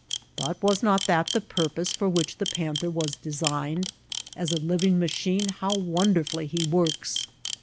But was not that the purpose for which the panther was designed ? As a living machine how wonderfully he works!